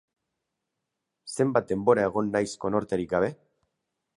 Zenbat denbora egon naiz konorterik gabe?